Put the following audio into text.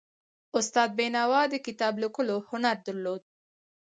استاد بینوا د کتاب لیکلو هنر درلود.